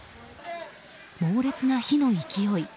猛烈な火の勢い。